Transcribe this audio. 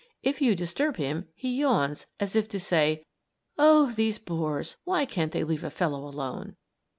If you disturb him, he yawns, as if to say: "Oh, these bores! Why can't they let a fellow alone?"